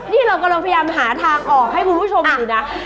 นี่เรากำลังพยายามหาทางออกให้คุณผู้ชมอยู่นะ